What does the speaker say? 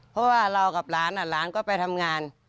เพราะว่าเรากับหลานหลานก็ไปทำงาน